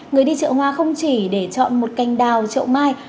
người đi chợ hoa không chỉ để chọn một canh đào chợ mai